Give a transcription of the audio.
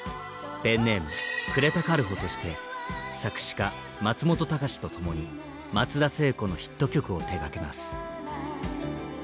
ペンネーム呉田軽穂として作詞家松本隆と共に松田聖子のヒット曲を手がけます。